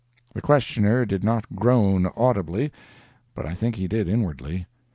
The questioner did not groan audibly, but I think he did inwardly.